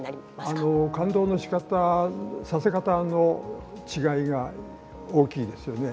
感動のしかたさせ方の違いが大きいですよね。